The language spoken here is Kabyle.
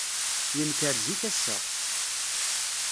Yenker zik, ass-a.